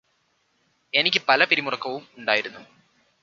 എനിക്ക് പല പിരിമുറക്കവും ഉണ്ടായിരുന്നു